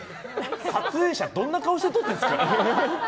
撮影者どんな顔して撮ってるんですか。